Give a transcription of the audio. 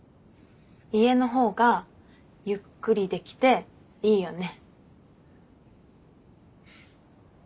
家の方がゆっくりできていいよね。